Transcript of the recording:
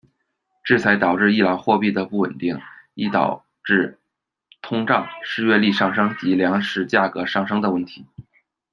制裁导致伊朗货币的不稳定，亦导致通胀、失业率上升及粮食价格上升的问题。